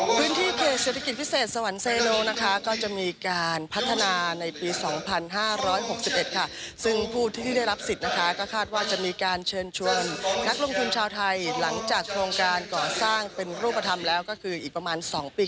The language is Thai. พื้นที่เคสเศรษฐกิจพิเศษสวรรค์เซโนจะมีการพัฒนาในปี๒๕๖๑ซึ่งผู้ที่ได้รับสิทธิ์ก็คาดว่าจะมีการเชิญชวนนักลงทุนชาวไทย